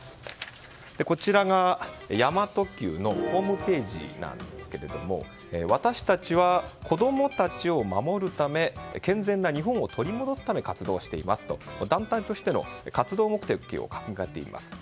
こちらが神真都Ｑのホームページなんですが私たちは子供たちを守るため健全な日本を取り戻すために活動していますと団体としても活動目的を書き込んでいます。